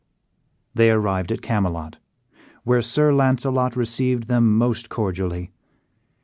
They arrived at Camelot, where Sir Launcelot received them most cordially.